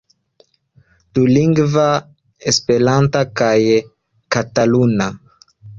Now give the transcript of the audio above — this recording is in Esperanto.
Dulingva, esperanta kaj kataluna.